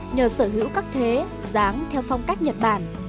nhờ sở hữu các thế dáng theo phong cách nhật bản